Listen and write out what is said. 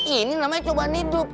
ini namanya cobaan hidup